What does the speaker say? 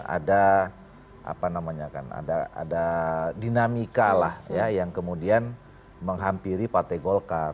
ada dinamika lah yang kemudian menghampiri partai golkar